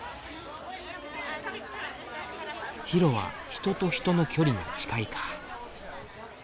ヒロは人と人の距離が近いか。